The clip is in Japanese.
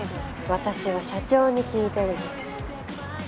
私は社長に聞いてるの。